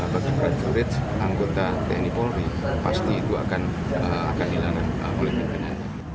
bagi prajurit anggota tni polri pasti itu akan hilang oleh pimpinan